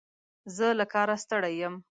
زه له کاره ستړی یم.